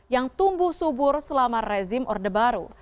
yang tumbuh subur selama rezim orde baru